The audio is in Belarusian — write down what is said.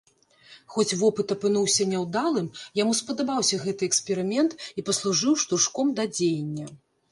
Хоць вопыт апынуўся няўдалым, яму спадабаўся гэты эксперымент і паслужыў штуршком да дзеяння.